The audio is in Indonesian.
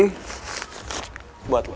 nggak kebanyakan bro